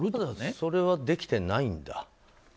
それはできてないんだ。